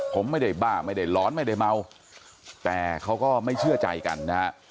ผมไม่ได้บ้าไม่ได้ร้อนไม่ได้เมาแต่เขาก็ไม่เชื่อใจกันนะฮะ